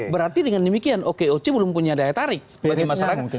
berarti dengan demikian okoc belum punya daya tarik bagi masyarakat